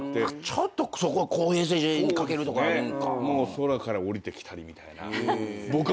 空から降りてきたりみたいな。